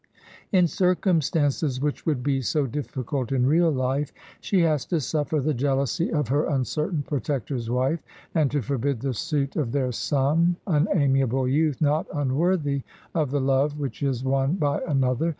In circumstances which would be so difiScult in real life, she has to suflFer the jealousy of her imcertain protector's wife, and to forbid the suit of their son, an amiable youth not unworthy of the love which is won by another.